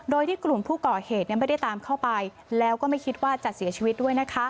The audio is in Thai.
โดยที่กลุ่มผู้ก่อเหตุไม่ได้ตามเข้าไปแล้วก็ไม่คิดว่าจะเสียชีวิตด้วยนะคะ